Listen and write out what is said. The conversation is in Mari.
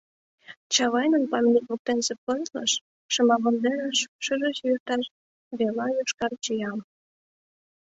Чавайнын памятник воктенсе пызлыш, Шыма вондерыш шыже чеверташ Вела йошкар чиям.